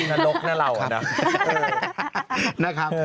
อยู่นรกนรร่าวนะครับ